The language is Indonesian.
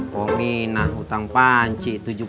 pomi nah utang panci